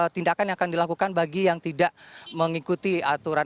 tindakan yang akan dilakukan bagi yang tidak mengikuti aturan